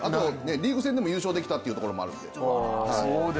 リーグ戦で優勝できたというのもあるので。